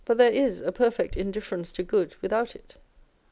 453 is a perfect indifference to good without it.